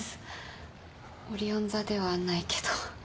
オリオン座ではないけど。